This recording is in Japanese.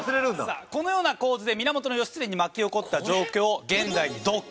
さあこのような構図で源義経に巻き起こった状況を現代にドッキリで再現。